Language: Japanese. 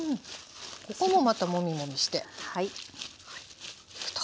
ここもまたもみもみしておくと。